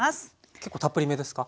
結構たっぷりめですか？